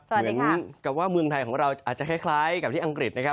เหมือนกับว่าเมืองไทยของเราอาจจะคล้ายกับที่อังกฤษนะครับ